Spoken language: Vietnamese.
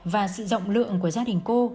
và sự rộng lượng của gia đình cô